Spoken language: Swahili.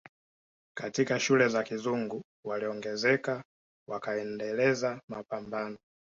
Katika shule za kizungu waliongezeka wakaendeleza Mapamabano